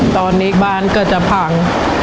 ตอนนี้บ้านก็จะพัง